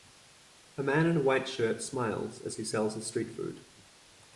A man in a white shirt smiles as he sells his street food